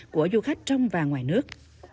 của du khách trong và ngoài nước